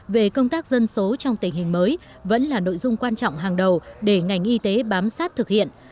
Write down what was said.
về công tác dân số trong tình hình mới vẫn là nội dung quan trọng hàng đầu để ngành y tế bám sát thực hiện